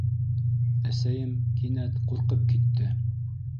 Әсәйем кинәт ҡурҡып китте: